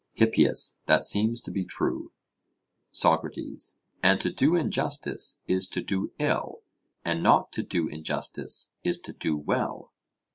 HIPPIAS: That seems to be true. SOCRATES: And to do injustice is to do ill, and not to do injustice is to do well?